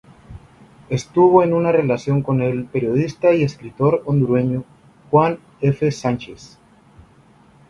Estuvo en una relación con el periodista y escritor hondureño Juan F. Sánchez.